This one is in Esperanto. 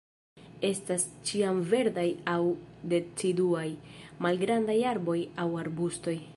Estas ĉiamverdaj aŭ deciduaj, malgrandaj arboj aŭ arbustoj.